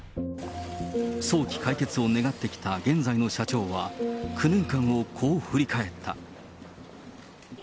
早期解決を願ってきた現在の社長は、９年間をこう振り返った。